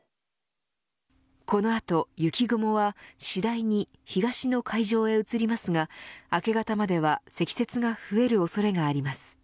この後雪雲は次第に東の海上へ移りますが明け方までは積雪が増える恐れがあります。